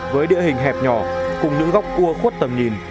với địa hình hẹp nhỏ cùng những góc cua khuất tầm nhìn